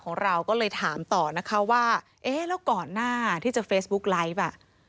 ตอนแรกก็เห็นใจพ่อค่ะ